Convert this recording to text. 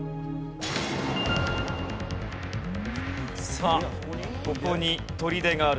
さあここに砦があるんです。